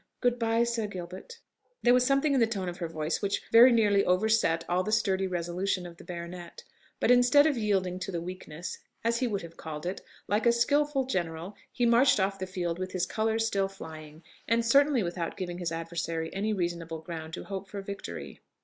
Good b'ye, Sir Gilbert." There was something in the tone of her voice which very nearly overset all the sturdy resolution of the baronet; but instead of yielding to the weakness, as he would have called it, like a skilful general he marched off the field with his colours still flying, and certainly without giving his adversary any reasonable ground to hope for victory.